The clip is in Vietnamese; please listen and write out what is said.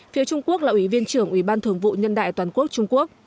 phía trung quốc là ủy viên trưởng ủy ban thường vụ nhân đại toàn quốc trung quốc